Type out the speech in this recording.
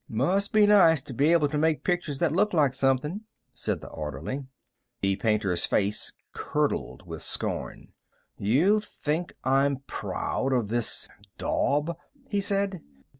"Must be nice to be able to make pictures that look like something," said the orderly. The painter's face curdled with scorn. "You think I'm proud of this daub?" he said.